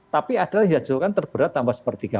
tapi adalah yang dihajarkan terberat tambah sepertiga